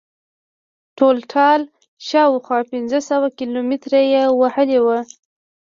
ټولټال شاوخوا پنځه سوه کیلومتره یې وهلې وه.